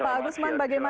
pak gusman bagaimana